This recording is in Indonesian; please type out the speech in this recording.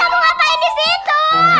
kamu ngapain di situ